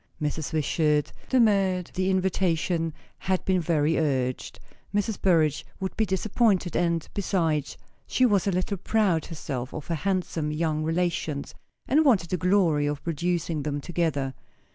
Mrs. Wishart demurred; the invitation had been very urgent; Mrs. Burrage would be disappointed; and, besides, she was a little proud herself of her handsome young relations, and wanted the glory of producing them together.